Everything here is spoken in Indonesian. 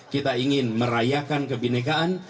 kita ingin merayakan kebinekaan